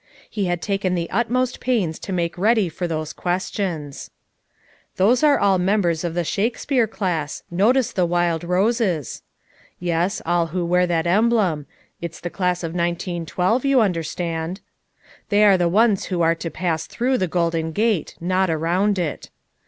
He had taken the utmost pains to make ready for those questions. " Those are all members of the Shakespeare class, notice the wild roses!" "Yes, all who wear that emblem; it's the class of 1912, you 280 FOUR MOTHERS AT CHAUTAUQUA 281 understand." "They are the ones who are to pass through the golden gate, not around it."